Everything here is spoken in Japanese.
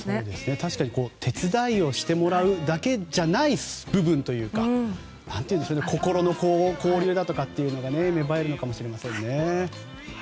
確かに手伝いをしてもらうだけじゃない部分というか心の交流だとかというのが芽生えるのかもしれませんね。